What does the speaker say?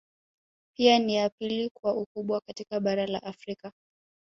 Pia ni ya pili kwa ukubwa katika Bara la Afrika